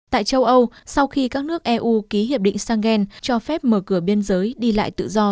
tại châu âu sau khi các nước eu ký hiệp định schengen cho phép mở cửa biên giới đi lại tự do